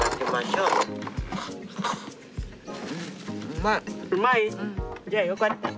うまい？じゃあよかった。